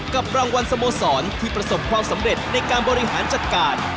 กับรางวัลสโมสรที่ประสบความสำเร็จในการบริหารจัดการ